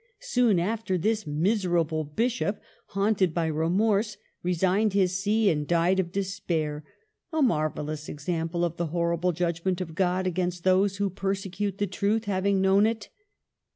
... Soon after this miserable bishop, haunted by remorse, resigned his see and died of despair: a marvellous example of the horrible judgment of God against those who persecute the truth, having known it."